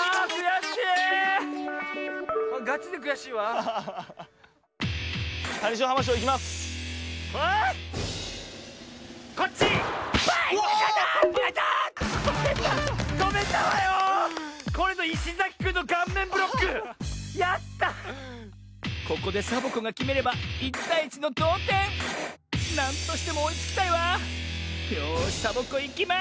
よしサボ子いきます！